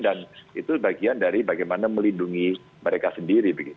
dan itu bagian dari bagaimana melindungi mereka sendiri